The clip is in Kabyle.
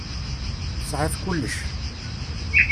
Tesεiḍ kullec.